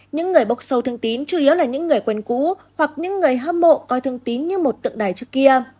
những người bốc sâu thương tín chủ yếu là những người quen cũ hoặc những người hâm mộ coi thường tín như một tượng đài trước kia